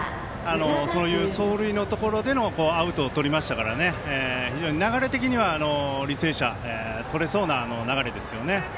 そういう走塁のところでのアウトをとりましたから非常に流れ的には履正社とれそうな流れですよね。